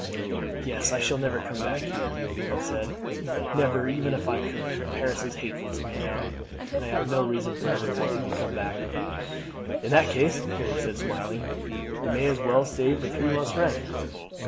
"Yes, I shall never come back here," the old woman said, "never, even if I could. Paris is hateful to me now, and I have no reason for ever wanting to come back." "In that case," Harry said smiling, "we may as well save the three months' rent."